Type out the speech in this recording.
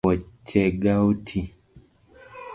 Wuoche ga otii